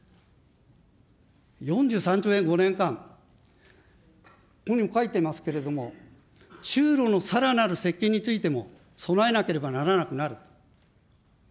４３兆円、５年間、ここにも書いてますけども、中ロのさらなる接近についても備えなければならなくなる。